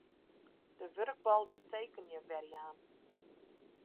De wurkbalke Tekenje werjaan.